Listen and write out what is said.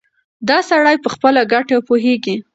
دا سړی په خپله ګټه پوهېږي.